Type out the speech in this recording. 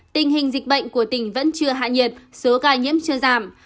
tình hình dịch bệnh của tỉnh vẫn chưa hạ nhiệt số ca nhiễm chưa giảm